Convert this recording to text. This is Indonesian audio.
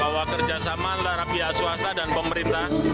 bahwa kerjasama antara pihak swasta dan pemerintah